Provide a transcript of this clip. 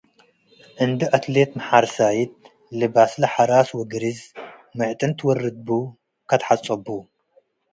እንዴ አትሌት መሓርሰይት፡ ልባስለ ሐራስ ወግርዝ ምዕ ጥን ትወርድ ቡ ከተሐጽቡ ።